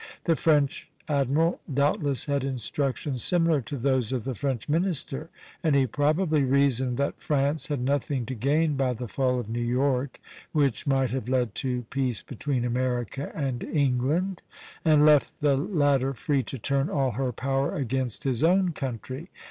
The French admiral doubtless had instructions similar to those of the French minister, and he probably reasoned that France had nothing to gain by the fall of New York, which might have led to peace between America and England, and left the latter free to turn all her power against his own country.